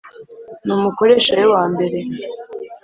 ni umukoresha we wa mbere